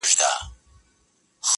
o زه وايم راسه شعر به وليكو.